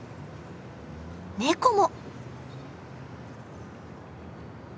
ネコも。